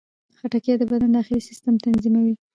خټکی د بدن داخلي سیستم تنظیموي.